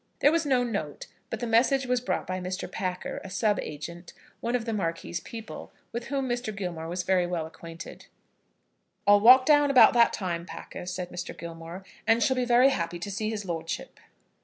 There was no note, but the message was brought by Mr. Packer, a sub agent, one of the Marquis's people, with whom Mr. Gilmore was very well acquainted. "I'll walk down about that time, Packer," said Mr. Gilmore, "and shall be very happy to see his lordship."